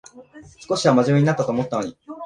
少しはまじめになったと思ったのに